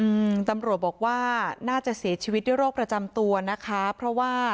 อืมตำรวจบอกว่าน่าจะเสียชีวิตด้วยโรคประจำตัวนะคะเพราะว่า